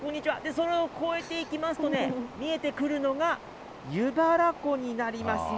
それを越えていきますとね、見ててくるのが、湯原湖になります。